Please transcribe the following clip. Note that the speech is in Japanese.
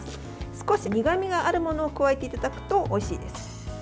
少し苦みのあるものを加えていただくとおいしいです。